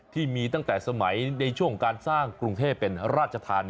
ที่มีตั้งแต่สมัยในช่วงการสร้างกรุงเทพเป็นราชธานี